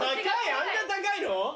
あんな高いの？